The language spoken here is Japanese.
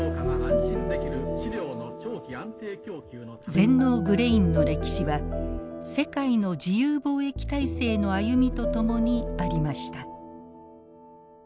全農グレインの歴史は世界の自由貿易体制の歩みとともにありました。